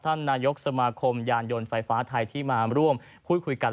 นายกสมาคมยานยนต์ไฟฟ้าไทยที่มาร่วมพูดคุยกัน